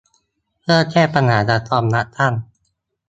เพื่อแก้ปัญหาการคอร์รัปชั่น